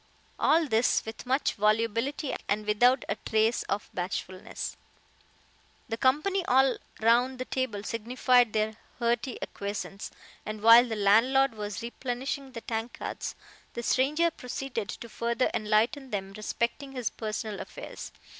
All this with much volubility, and without a trace of bashfulness. The company all round the table signified their hearty acquiescence, and while the landlord was replenishing the tankards, the stranger proceeded to further enlighten them respecting his personal affairs.